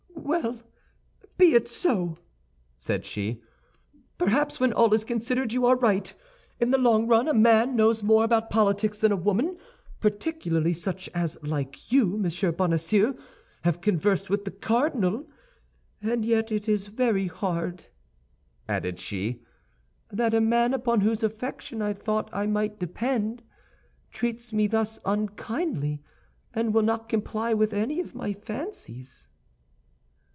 "Well, be it so!" said she. "Perhaps, when all is considered, you are right. In the long run, a man knows more about politics than a woman, particularly such as, like you, Monsieur Bonacieux, have conversed with the cardinal. And yet it is very hard," added she, "that a man upon whose affection I thought I might depend, treats me thus unkindly and will not comply with any of my fancies."